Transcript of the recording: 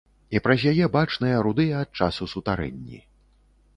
І праз яе бачныя рудыя ад часу сутарэнні.